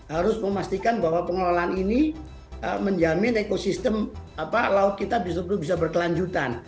harus memastikan bahwa pengelolaan ini menjamin ekosistem laut kita bisa berkelanjutan